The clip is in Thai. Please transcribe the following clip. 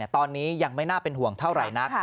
ตอนนี้ยังไม่น่าเป็นห่วงเท่าไหร่นัก